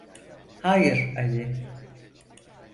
Hayır, Ali.